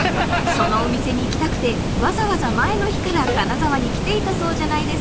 ［そのお店に行きたくてわざわざ前の日から金沢に来ていたそうじゃないですか］